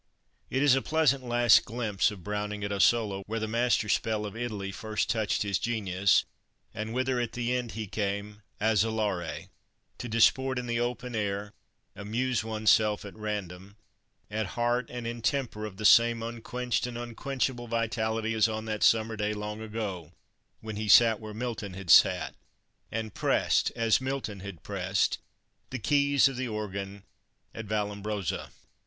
It is a pleasant last glimpse of Browning at Asolo, where the master spell of Italy first touched his genius, and whither at the end he came "asolare, to disport in the open air, amuse one's self at random" at heart and in temper of the same unquenched and unquenchable vitality as on that summer day long ago when he sat where Milton had sat, and pressed, as Milton had pressed, the keys of the organ at Vallombrosa.